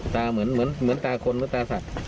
ตาเหมือนตาคนเหมือนตาสัตว์